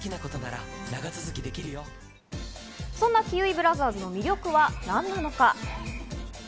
そんなキウイブラザーズの魅力は何なのか。